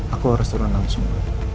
aku harus turun langsung